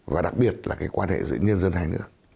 và đặc biệt là cái quan hệ giữa nhân dân hay nữa